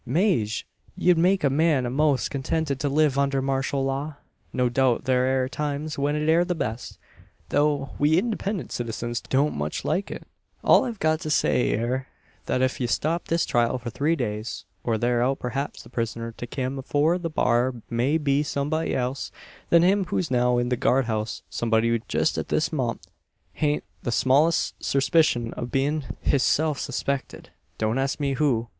"Maje! ye'd make a man a'most contented to live under marshul law. No doubt thur air times when it air the best, tho' we independent citizens don't much like it. All I've got to say air, thet ef ye stop this trial for three days, or tharahout, preehaps the prisoner to kim afore the bar may be someb'y else than him who's now in the guard house someb'y who jest at this mom't hain't the smallest serspishun o' bein' hisself surspected. Don't ask me who.